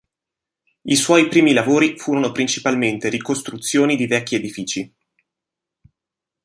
I suoi primi lavori furono principalmente ricostruzioni di vecchi edifici.